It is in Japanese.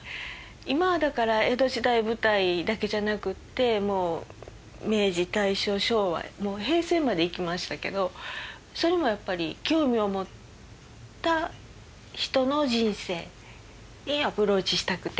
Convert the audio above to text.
今はだから江戸時代舞台だけじゃなくってもう明治大正昭和平成までいきましたけどそれもやっぱり興味を持った人の人生にアプローチしたくて。